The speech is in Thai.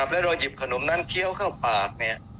แล้วเราหยิบขนมนั้นเคี้ยวเข้าปาก